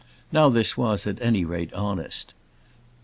Now this was at any rate honest.